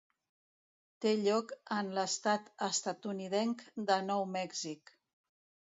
Té lloc en l'Estat estatunidenc de Nou Mèxic.